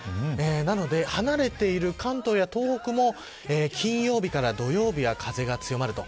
なので、離れている関東や東北も金曜日から土曜日は風が強まると。